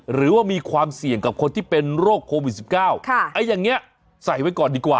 หรือว่ามีความเสี่ยงกับคนที่เป็นโรคโควิด๑๙อย่างนี้ใส่ไว้ก่อนดีกว่า